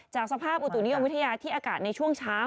สภาพอุตุนิยมวิทยาที่อากาศในช่วงเช้า